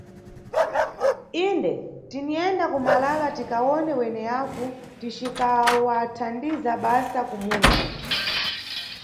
Inde, tiniyenda kuMalala tikawone weneyavu ticikawathandiza basa kumunda.